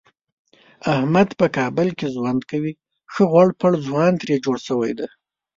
احمد په کابل کې ژوند کوي ښه غوړپېړ ځوان ترې جوړ شوی دی.